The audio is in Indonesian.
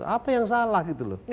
apa yang salah gitu loh